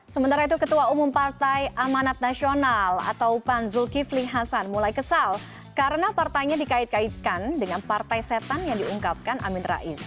sementara itu ketua umum partai amanat nasional atau pan zulkifli hasan mulai kesal karena partainya dikait kaitkan dengan partai setan yang diungkapkan amin rais